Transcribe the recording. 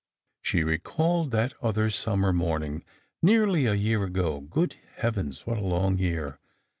She recalled that other summer morning nearly a year ago — good heavens ! what a long year